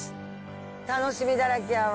楽しみだらけやわ。